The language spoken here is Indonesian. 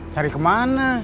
cari ke mana